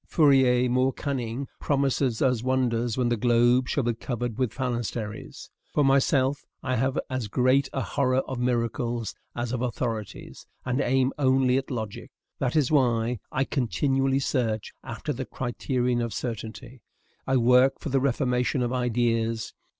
Fourier, more cunning, promises us wonders when the globe shall be covered with phalansteries. For myself, I have as great a horror of miracles as of authorities, and aim only at logic. That is why I continually search after the criterion of certainty. I work for the reformation of ideas.